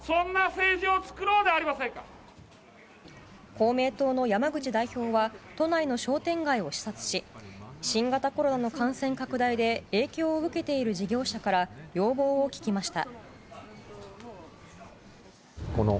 公明党の山口代表は都内の商店街を視察し新型コロナの感染拡大で影響を受けている事業者から要望を聞きました。